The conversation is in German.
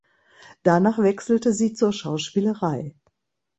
Danach wechselte sie zur Schauspielerei.